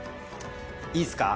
いいっすか。